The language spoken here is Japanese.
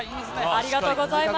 ありがとうございます。